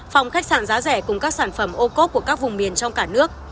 phòng khách sạn giá rẻ cùng các sản phẩm ô cốt của các vùng miền trong cả nước